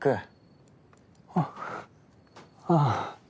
あっああ。